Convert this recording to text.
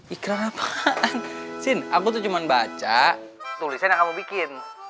apaan sin aku tuh cuma baca tulisan yang kamu bikin